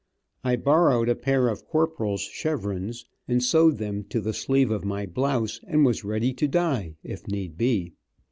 I borrowed a pair of Corporal's chevrons and sewed them to the sleeves of my blouse, and was ready to die, if need be.